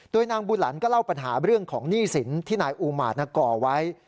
โดยนางบุหลันก็เล่าปัญหาเรื่องของหนี้สินที่นายอูมาตก่อไว้